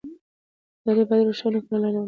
اداره باید روښانه کړنلارې ولري.